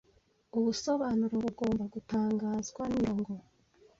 Ubusobanuro bugomba gutangazwa nimirongo